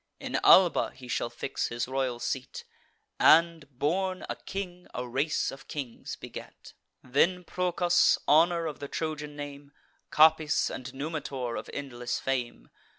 In Alba he shall fix his royal seat, And, born a king, a race of kings beget. Then Procas, honour of the Trojan name, Capys, and Numitor, of endless fame.